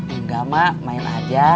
enggak mak main aja